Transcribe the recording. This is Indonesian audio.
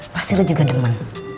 pasti lu juga demen